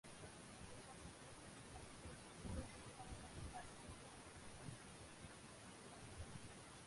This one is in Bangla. যেসব ছাত্রছাত্রী কঠোর পরিশ্রম করে লেখাপড়া করে তারাই পরীক্ষা ভালো ফলাফল করতে সক্ষম হয়।